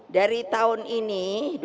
dari tahun ini